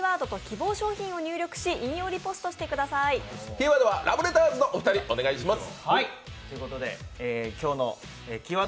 キーワードはラブレターズのお二人、お願いします。